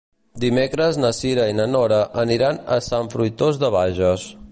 Dimecres na Cira i na Nora aniran a Sant Fruitós de Bages.